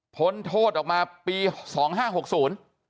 พ้นโทษออกมาปีสองห้าหกศูนย์